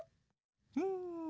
うん。